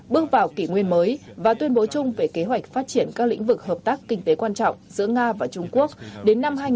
bước vào kỷ nguyên mới và tuyên bố chung về kế hoạch phát triển các lĩnh vực hợp tác kinh tế quan trọng giữa nga và trung quốc đến năm hai nghìn hai mươi